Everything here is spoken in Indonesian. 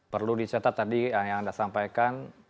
perlu dicatat tadi yang anda sampaikan